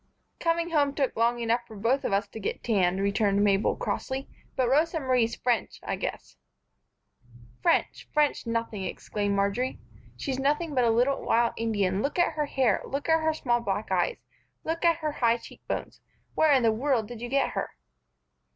"Coming home took long enough for us both to get tanned," returned Mabel, crossly, "but Rosa Marie's French, I guess." "French! French nothing!" exclaimed Marjory. "She's nothing but a little wild Indian. Look at her hair. Look at her small black eyes. Look at her high cheekbones. Where in the world did you get her?"